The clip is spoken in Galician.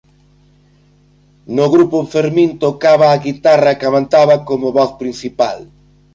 No grupo Fermin tocaba a guitarra e cantaba como voz principal.